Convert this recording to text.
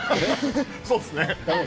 そうっすね。